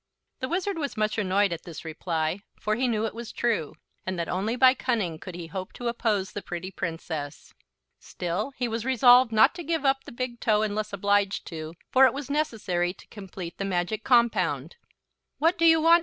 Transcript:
The Wizard was much annoyed at this reply, for he knew it was true, and that only by cunning could he hope to oppose the pretty Princess. Still, he was resolved not to give up the big toe unless obliged to, for it was necessary to complete the magic compound. "What do you want?"